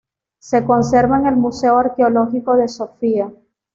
Se conserva en el Museo Arqueológico de Sofía.